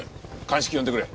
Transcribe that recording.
鑑識呼んでくれ。